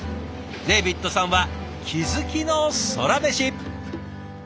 デーヴィッドさんは気付きのソラメシ！